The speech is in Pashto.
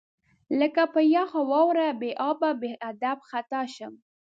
لکه په یخ واوره بې ابه، بې ادب خطا شم